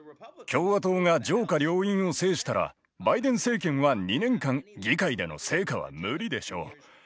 共和党が上下両院を制したらバイデン政権は２年間議会での成果は無理でしょう。